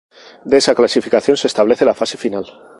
De esa clasificación se establece la fase final.